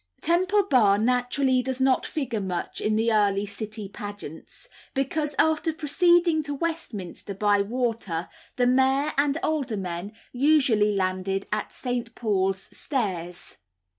Temple Bar naturally does not figure much in the early City pageants, because, after proceeding to Westminster by water, the mayor and aldermen usually landed at St. Paul's Stairs.